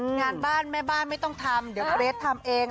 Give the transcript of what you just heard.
งานบ้านแม่บ้านไม่ต้องทำเดี๋ยวเกรททำเอง